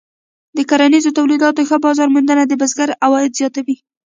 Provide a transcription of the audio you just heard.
د کرنیزو تولیداتو ښه بازار موندنه د بزګر عواید زیاتوي.